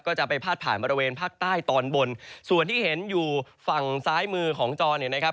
ก็จะไปพาดผ่านบริเวณภาคใต้ตอนบนส่วนที่เห็นอยู่ฝั่งซ้ายมือของจอเนี่ยนะครับ